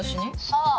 さあ。